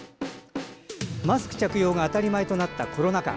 マスク着用が当たり前となったコロナ禍。